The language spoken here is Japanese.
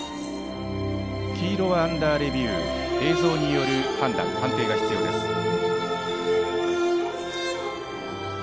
黄色はアンダーレビュー、映像による判断、判定が必要です。